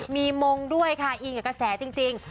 มีมงด้วยค่ะอินกับกระแสจริง